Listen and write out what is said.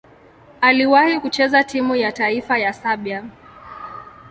Aliwahi kucheza timu ya taifa ya Serbia.